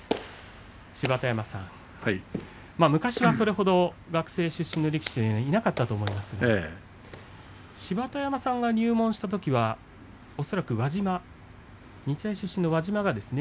芝田山さん、昔はそれほど学生出身の力士はいなかったと思いますけども芝田山さんが入門したときは恐らく、輪島日大出身の輪島ですね。